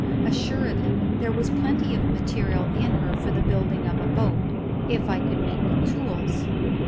Assuredly there was plenty of material in her for the building of a boat, if I could meet with tools.